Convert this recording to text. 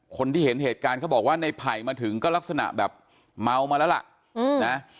คนที่เห็นเหตุการณ์เขาบอกว่าในไผ่มาถึงก็ลักษณะแบบเมามาแล้วล่ะนะ